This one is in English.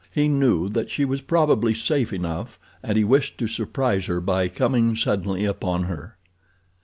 He knew that she was probably safe enough and he wished to surprise her by coming suddenly upon her.